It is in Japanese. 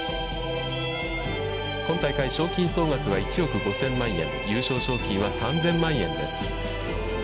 今大会、賞金総額は１億５０００万円、優勝賞金は３０００万円です。